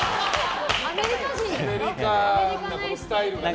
アメリカのスタイルね。